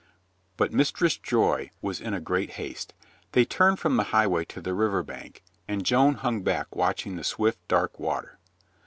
But Mistress Joy was in a great haste. They turned from the highway to the river bank and Joan hung back watching the swift, dark water.